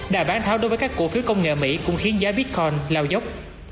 đà bán tháo đối với các cổ phiếu công nghệ mỹ cũng khiến giá bitcoin lao dốc